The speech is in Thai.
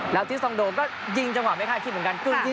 แล้วทิสซองโดก็ยิงจังหวะไม่คาดคิดเหมือนกัน